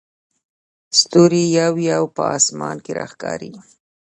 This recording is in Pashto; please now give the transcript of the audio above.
ستوري یو یو په اسمان کې راښکاري.